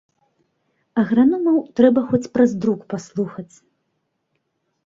Аграномаў трэба хоць праз друк паслухаць.